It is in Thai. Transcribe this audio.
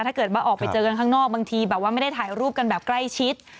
ถ้าเกิดว่าออกไปเจอกันข้างนอกบางทีแบบว่าไม่ได้ถ่ายรูปกันแบบใกล้ชิด